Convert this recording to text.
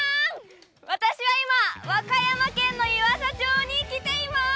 私は今、和歌山県の湯浅町に来ています！